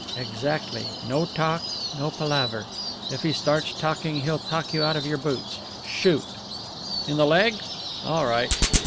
"Exactly! No talk, no palaver! If he starts talking he'll talk you out of your boots. Shoot!" "In the leg? All right."